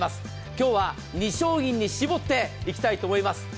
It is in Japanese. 今日は２商品に絞っていきたいと思います。